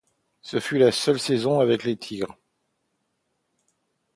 Ce fut sa seule saison avec les Tigers.